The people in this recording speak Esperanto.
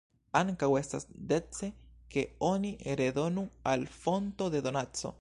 Ankaŭ, estas dece, ke oni redonu al fonto de donaco.